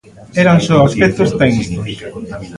Eran só aspectos técnicos.